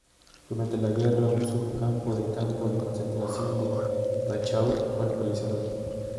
Durante la guerra, un subcampo del campo de concentración de Dachau fue localizado aquí.